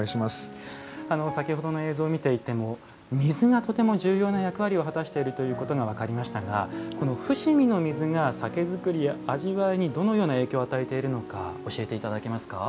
先ほどの映像を見ていても水がとても重要な役割を果たしているということが分かりましたがこの伏見の水が酒造り味わいにどのような影響を与えているのか教えて頂けますか？